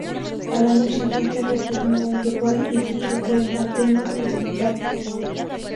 Al año siguiente retornó a Uruguay y fichó por el Atenas de San Carlos.